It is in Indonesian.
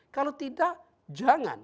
kalau tidak jangan